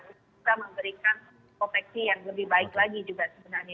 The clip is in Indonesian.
untuk bisa memberikan proteksi yang lebih baik lagi juga sebenarnya